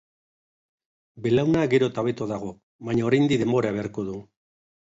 Belauna gero eta hobeto dago, baina oraindik denbora beharko du.